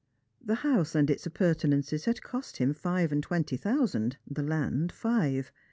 The house and its appurtenances had cost him five and twenty thou sand, the land five.